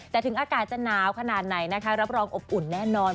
แต่ถึงอากาศจะหนาวขนาดไหนนะคะรับรองอบอุ่นแน่นอน